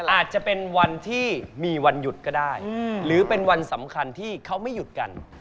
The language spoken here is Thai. อาจจะเป็นวันที่มีวันหยุดก็ได้หรือเป็นวันสำคัญที่เขาไม่หยุดกัน